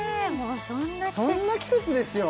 そんな季節ですよ